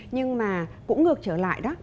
nhưng mà cũng ngược trở lại đó